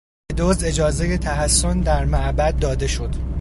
به دزد اجازهی تحصن در معبد داده شد.